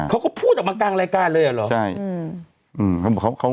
เขาก็พูดออกมากลางรายการเลยหรือ